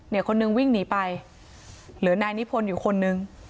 เนี่ยคนหนึ่งวิ่งหนีไปเหลือนายนิพนศ์อยู่คนหนึ่ง